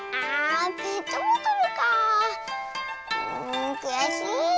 んくやしい。